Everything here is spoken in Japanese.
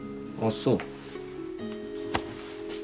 あっそう。